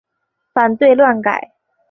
反对乱改！